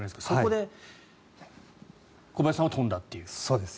そこで小林さんは飛んだっていう。